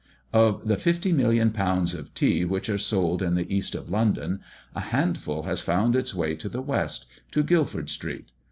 Of the 50,000,000 lbs. of tea which are sold in the east of London, a handful has found its way to the West, to Guildford street.